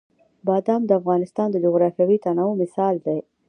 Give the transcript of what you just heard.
بادام د افغانستان د جغرافیوي تنوع مثال دی.